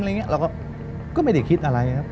เราก็ไม่ได้คิดอะไรครับ